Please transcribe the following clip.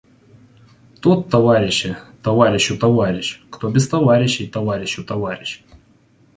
Тот, товарищи, товарищу товарищ, кто без товарищей товарищу товарищ.